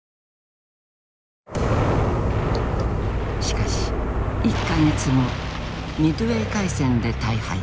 しかし１か月後ミッドウェー海戦で大敗。